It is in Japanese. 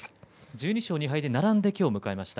１２勝２敗で並んで今日を迎えました。